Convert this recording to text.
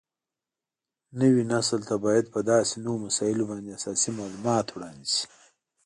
نوي نسل ته باید په داسې نوو مسایلو باندې اساسي معلومات وړاندې شي